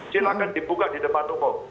silahkan dibuka di depan umum